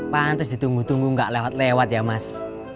pantes ditunggu tunggu enggak lewat lewat ya mas